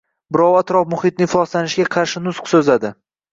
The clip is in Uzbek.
Birovi atrof-muhitni ifloslanishiga qarshi nutq so‘zladi.